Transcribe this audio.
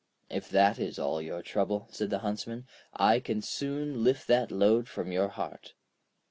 'If that is all your trouble,' said the Huntsman, 'I can soon lift that load from your heart.'